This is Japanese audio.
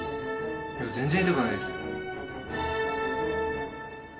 いや全然痛くないです。